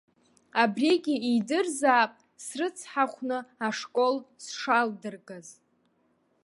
Абригьы идырзаап срыцҳахәны ашкол сшалдыргаз.